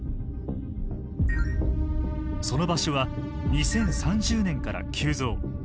その場所は２０３０年から急増。